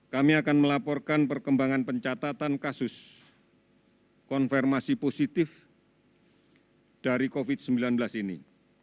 kami akan melaporkan perkembangan pencatatan kasus konfirmasi positif dari covid sembilan belas ini